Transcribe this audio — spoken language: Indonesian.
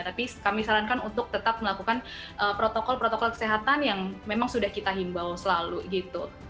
tapi kami sarankan untuk tetap melakukan protokol protokol kesehatan yang memang sudah kita himbau selalu gitu